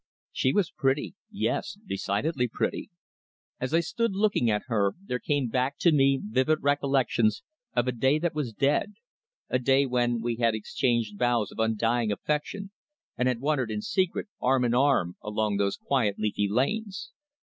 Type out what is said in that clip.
She was pretty yes, decidedly pretty. As I sat looking at her, there came back to me vivid recollections of a day that was dead, a day when we had exchanged vows of undying affection and had wandered in secret arm in arm along those quiet leafy lanes.